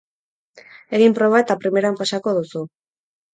Egin proba eta primeran pasako duzu!